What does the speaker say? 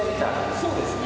そうですね。